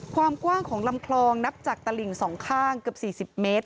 ความกว้างของลำคลองนับจากตลิ่ง๒ข้างเกือบ๔๐เมตร